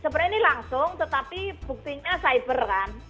sebenarnya ini langsung tetapi buktinya cyber kan